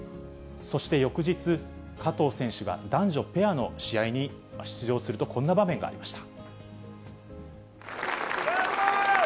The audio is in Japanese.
そして、翌日、加藤選手が男女ペアの試合に出場すると、こんな場面がありました。